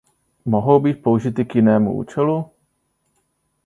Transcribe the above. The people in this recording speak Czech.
Mohou být použity k jinému účelu?